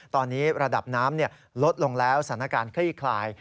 ตอนนี้ระดับน้ำลดลงแล้วสถานการณ์คลี่คลาย